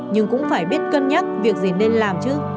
nhưng cũng phải biết cân nhắc việc gì nên làm chứ